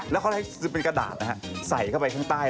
แล้วเขาให้เป็นกระดาษใส่เข้าไปข้างใต้